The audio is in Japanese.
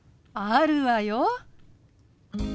あるわよ。